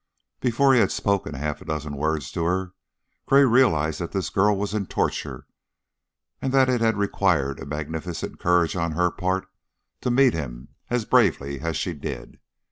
Before he had spoken a half dozen words to her, Gray realized that this girl was in torture, and that it had required a magnificent courage on her part to meet him as bravely as she did.